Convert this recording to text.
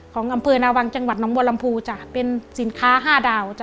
ของอำเภอนาวังจังหวัดน้องวลัมพูเป็นสินค้า๕ดาว